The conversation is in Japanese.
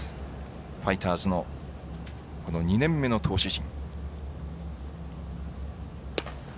ファイターズの２年目の投手陣。